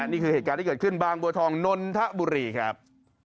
นี่คือเหตุการณ์ที่เกิดขึ้นบางบัวทองนนทบุรีครับ